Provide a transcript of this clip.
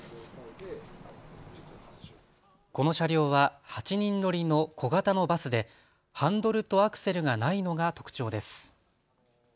この車両は８人乗りの小型のバスでハンドルとアクセルがないのが特徴です。